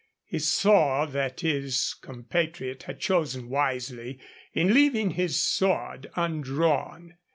He saw that his compatriot had chosen wisely in leaving his sword undrawn.